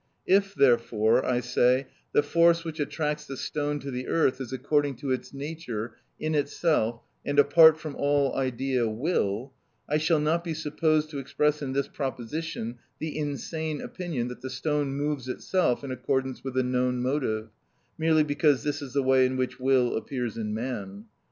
If, therefore, I say,—the force which attracts a stone to the earth is according to its nature, in itself, and apart from all idea, will, I shall not be supposed to express in this proposition the insane opinion that the stone moves itself in accordance with a known motive, merely because this is the way in which will appears in man.